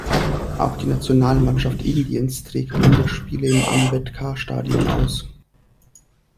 Auch die Nationalmannschaft Indiens trägt Länderspiele im Ambedkar-Stadion aus.